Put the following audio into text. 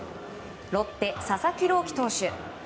ロッテ、佐々木朗希投手。